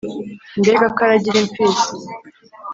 mbega ko aragira imfizi